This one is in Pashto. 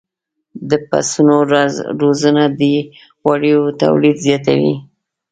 د پسونو روزنه د وړیو تولید زیاتوي.